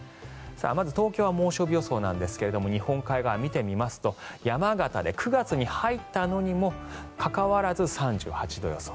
まず東京は猛暑日予想なんですが日本海側を見てみますと山形で９月に入ったにもかかわらず３８度予想。